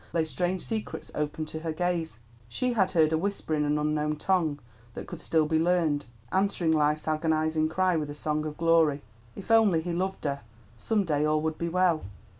—lay strange secrets open to her gaze. She had heard a whisper in an unknown tongue that could still be learned, answering Life's agonizing cry with a song of glory. If only he loved her, some day all would be well.